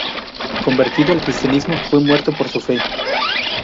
Convertido al cristianismo, fue muerto por su fe.